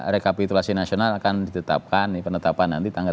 rekapitulasi nasional akan ditetapkan di penetapan nanti tanggal delapan belas